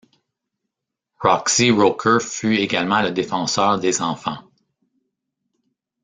Roxie Roker fut également le défenseur des enfants.